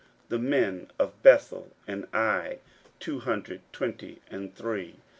16:007:032 The men of Bethel and Ai, an hundred twenty and three.